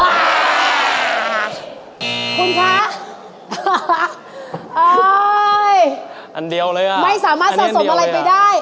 อันเดียวเลยอะอันนี้อันเดียวเลยอะไม่สามารถสะสมอะไรไปได้